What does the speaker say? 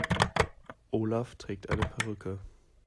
Olaf trägt eine Perücke.